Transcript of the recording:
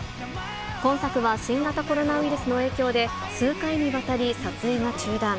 今作は新型コロナウイルスの影響で、数回にわたり撮影が中断。